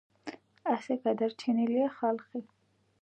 ასე გადარჩენილა ხალხი.